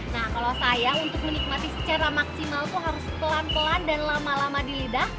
nah kalau saya untuk menikmati secara maksimal itu harus pelan pelan dan lama lama di lidah